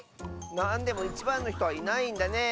なんでもいちばんのひとはいないんだね。